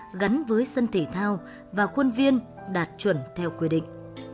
các nhà văn hóa gắn với sân thể thao và quân viên đạt chuẩn theo quy định